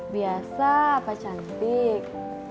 biasa apa cantik